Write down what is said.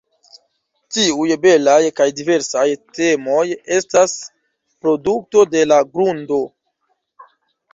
Tiuj belaj kaj diversaj temoj estas produkto de la grundo.